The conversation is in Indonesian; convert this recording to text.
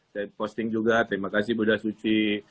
saya posting juga terima kasih budha suci